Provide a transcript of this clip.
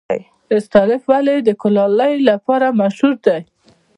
استالف ولې د کلالۍ لپاره مشهور دی؟